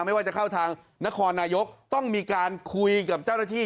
ไม่ว่าจะเข้าทางนครนายกต้องมีการคุยกับเจ้าหน้าที่